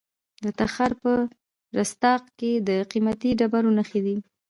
د تخار په رستاق کې د قیمتي ډبرو نښې دي.